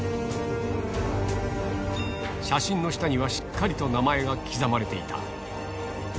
写真の下にはしっかりと名前が刻まれていた。